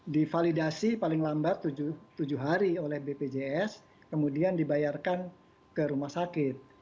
divalidasi paling lambat tujuh hari oleh bpjs kemudian dibayarkan ke rumah sakit